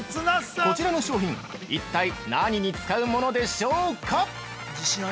こちらの商品、一体何に使うものでしょうか？